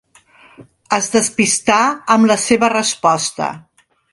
Es despistà amb la seva resposta.